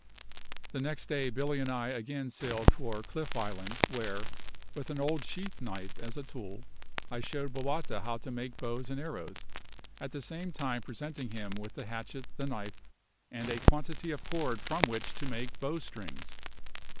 The next day Billy and I again sailed for Cliff Island, where, with an old sheath knife as a tool, I showed Bowata how to make bows and arrows, at the same time presenting him with the hatchet, the knife, and a quantity of cord from which to make bow strings.